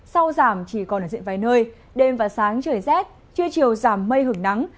sau giảm chỉ còn ở diện vài nơi đêm và sáng trời rét trưa chiều giảm mây hưởng nắng